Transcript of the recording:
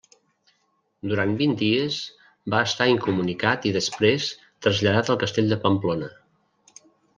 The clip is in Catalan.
Durant vint dies va estar incomunicat i després traslladat al castell de Pamplona.